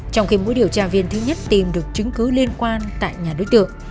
trong khi mỗi điều tra viên thứ nhất tìm được chứng cứ liên quan tại nhà đối tượng